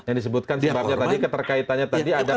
yang disebutkan sebabnya tadi keterkaitannya tadi ada